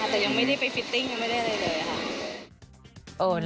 แต่ยังไม่ได้ไปฟิตติ้งยังไม่ได้อะไรเลยค่ะ